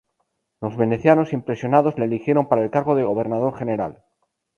Los venecianos, impresionados, le eligieron para el cargo de gobernador general.